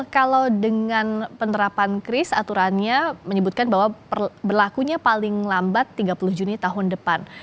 kalau dengan penerapan kris aturannya menyebutkan bahwa berlakunya paling lambat tiga puluh juni tahun depan